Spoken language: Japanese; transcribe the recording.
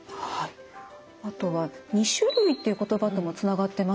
あとは「２種類」という言葉ともつながってますよね。